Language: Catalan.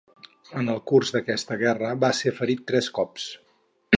En el curs d'aquesta guerra va ser ferit tres cops.